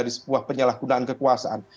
dari sebuah penyalahgunaan kekuasaan